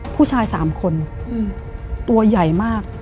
ผู้ชาย๓คนตัวใหญ่มาก